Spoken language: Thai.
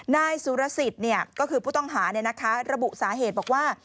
นายสุรสิทธิ์ก็คือผู้ต้องหาระบุสาเหตุบอกว่า